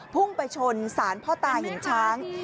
พุ่งไปชนสารพ่อตาหินช้าง